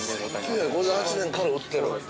◆１９５８年から売ってる。